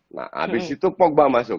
nah habis itu pogba masuk